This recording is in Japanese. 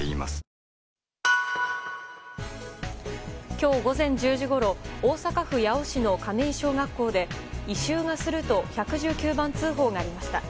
今日午前１０時ごろ大阪府八尾市の亀井小学校で異臭がすると１１９番通報がありました。